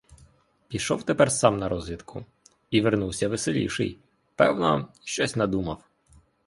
Пішов тепер сам на розвідку — і вернув веселіший: певно, щось надумав.